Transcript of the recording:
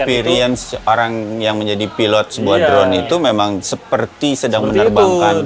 experience orang yang menjadi pilot sebuah drone itu memang seperti sedang menerbangkan